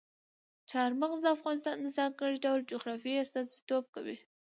چار مغز د افغانستان د ځانګړي ډول جغرافیې استازیتوب کوي.